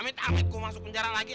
amit amit gua masuk ke penjara lagi